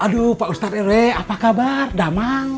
aduh pak ustadz ere apa kabar damang